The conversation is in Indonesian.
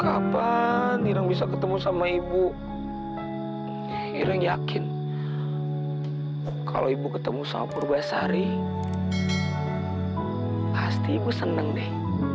kapan diri bisa ketemu sama ibu iring yakin kalau ibu ketemu sama purbasari pasti seneng deh